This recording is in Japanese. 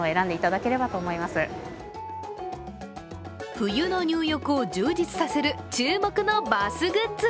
冬の入浴を充実させる注目のバスグッズ。